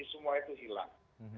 semua itu hilang